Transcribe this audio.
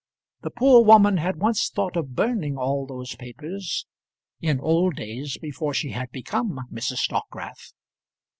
The poor woman had once thought of burning all those papers in old days before she had become Mrs. Dockwrath.